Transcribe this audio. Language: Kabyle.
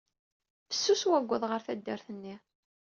Fessus wawwaḍ ɣer taddart-nni.